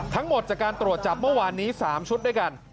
ทั้งหมดจากการตรวจจับเมื่อวานนี้๓ชุดด้วยกัน